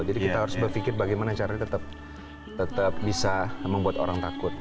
jadi kita harus berpikir bagaimana caranya tetap bisa membuat orang takut